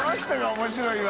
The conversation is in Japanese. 面白いわ。